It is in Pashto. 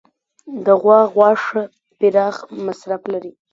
د غوا غوښه پراخ مصرف لري.